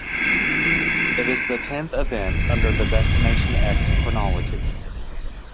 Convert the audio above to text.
It is the tenth event under the Destination X chronology.